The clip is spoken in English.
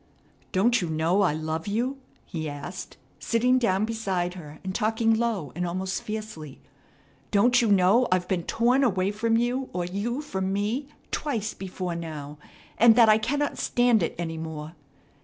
"Don't you know I love you?" he asked, sitting down beside her and talking low and almost fiercely. "Don't you know I've been torn away from you, or you from me, twice before now, and that I cannot stand it any more?